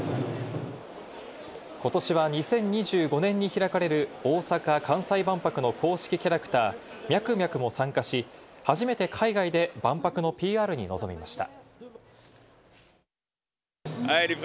ことしは２０２５年に開かれる大阪・関西万博の公式キャラクター・ミャクミャクも参加し、初めて海外で万博のＰＲに臨みました。